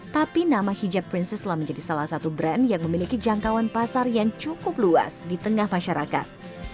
tapi nama hijab princess telah menjadi salah satu brand yang memiliki jangkauan pasar yang cukup luas di tengah masyarakat